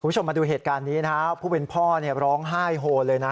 คุณผู้ชมมาดูเหตุการณ์นี้นะครับผู้เป็นพ่อร้องไห้โฮเลยนะ